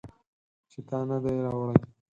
چې تا نه دي راوړي